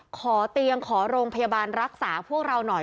ขอเตียงขอโรงพยาบาลรักษาพวกเราหน่อย